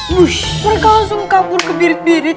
wushh mereka langsung kabur ke birit birit